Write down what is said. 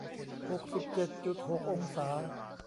หกสิบเจ็ดจุดหกองศา